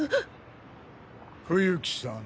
冬木さん